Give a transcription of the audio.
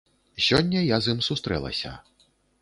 Сёння я з ім сустрэлася.